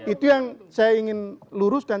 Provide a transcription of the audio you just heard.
itu yang saya ingin luruskan